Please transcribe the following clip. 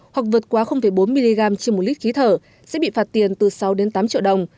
hoặc vượt quá bốn mg trên một lít khí thở sẽ bị phạt tiền từ sáu tám triệu đồng